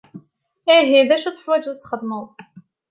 Ihi d acu i teḥwajeḍ ad t-txedmeḍ?